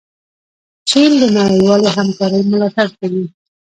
چین د نړیوالې همکارۍ ملاتړ کوي.